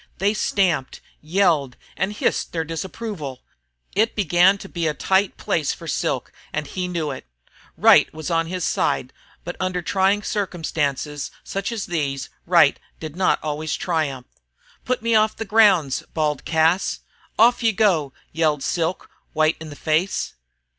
They stamped, yelled, and hissed their disapproval. It began to be a tight place for Silk, and he knew it. Right was on his side but under trying circumstances such as these, right did not always triumph. "Put me off the grounds!" bawled Cas. "Off you go!" yelled Silk, white in the face.